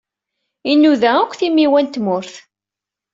Inuda-d akk timiwa n tmurt.